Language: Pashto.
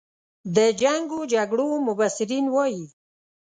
د جنګ و جګړو مبصرین وایي.